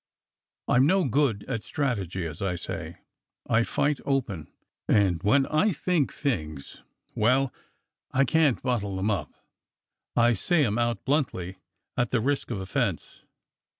I'm no good at strategy; as I say, I fight open; and when I think things — well, I can't bottle them up; I say 'em out bluntly at the risk of offence.